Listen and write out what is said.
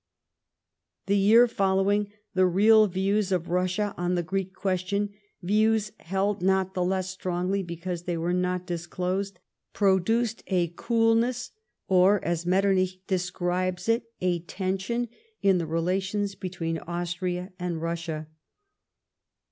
The year following, the real views of Russia on the Greek question — views held not the less strougly because they were not disclosed — produced a coolness, or, as Metternich describes it, a tension, in the relations between Austria and liussia.